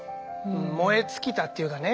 燃え尽きたっていうかね。